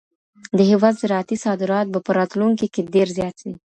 د هيواد زراعتي صادرات به په راتلونکي کي ډير زيات سي.